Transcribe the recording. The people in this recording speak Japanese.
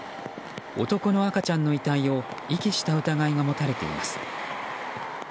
男の赤ちゃんの遺体を遺棄した疑いが持たれています。